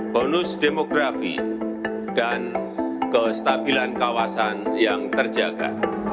bonus demografi dan kestabilan kawasan yang terjaga